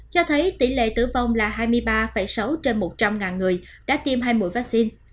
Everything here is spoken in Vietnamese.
cho thấy tỷ lệ tử vong là hai mươi ba sáu trên một trăm linh người đã tiêm hai mũi vaccine